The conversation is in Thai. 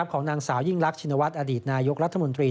ของนางสาวยิ่งรักชินวัฒน์อดีตนายกรัฐมนตรี